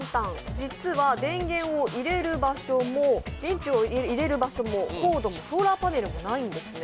実は電源を入れる場所も電池を入れる場所もコードもソーラーパネルもないんですね。